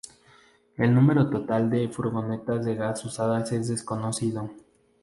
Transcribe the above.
El número total de furgonetas de gas usadas es desconocido.